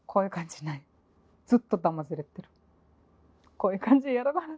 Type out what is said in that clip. こういう感じやるから。